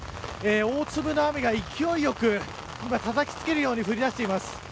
大粒の雨が勢いよく今、たたきつけるように降りだしています。